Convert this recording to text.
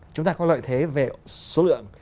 chúng ta có lợi thế về số lượng